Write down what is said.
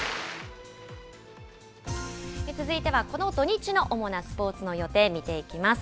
続いてはこの土日の主なスポーツの予定、見ていきます。